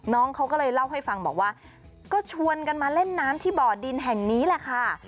น้องเขาก็เลยเล่าให้ฟังบอกว่าก็ชวนกันมาเล่นน้ำที่บ่อดินแห่งนี้แหละค่ะ